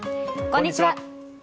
こんにちは。